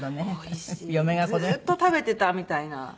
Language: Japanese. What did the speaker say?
ずっと食べてたみたいな。